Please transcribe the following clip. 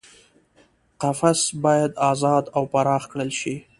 قفس باید ازاد او پراخ کړل شي.